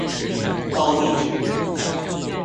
報地址